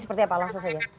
seperti apa langsung saja